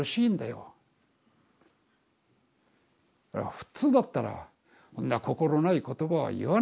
普通だったらそんな心ない言葉は言わないんだよ。